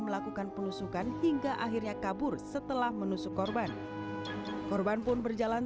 melakukan penusukan hingga akhirnya kabur setelah menusuk korban korban pun berjalan